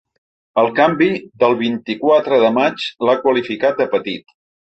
El canvi del vint-i-quatre de maig l’ha qualificat de ‘petit’.